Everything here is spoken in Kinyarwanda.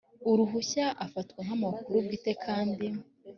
uruhushya afatwa nk amakuru bwite kandi